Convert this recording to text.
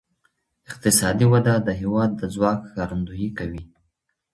اقتصادي وده د هېواد د ځواک ښکارندویي کوي.